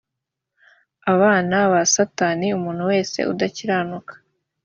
abana ba satani umuntu wese udakiranuka